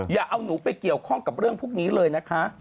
อย่าเอาหนูไปเกี่ยวข้องกับเรื่องพวกนี้เลยนะคะ